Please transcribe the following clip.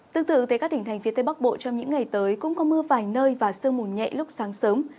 tương tự tới các tỉnh thành phía tây bắc bộ trong những ngày tới cũng có mưa vài nơi và sương mù nhẹ lúc sáng sớm